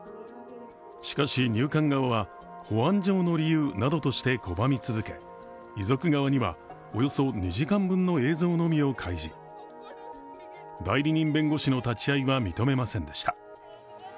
しかし入管側は、保安上の理由などとして拒み続け遺族側にはおよそ２時間分の映像のみを開示代理人弁護士の立ち会いは認めませんでした。